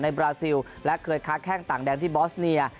บราซิลและเคยค้าแข้งต่างแดนที่บอสเนีย